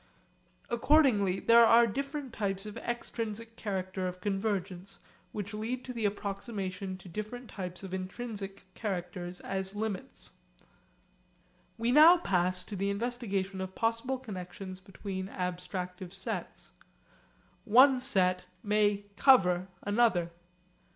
Accordingly there are different types of extrinsic character of convergence which lead to the approximation to different types of intrinsic characters as limits. We now pass to the investigation of possible connexions between abstractive sets. One set may 'cover' another.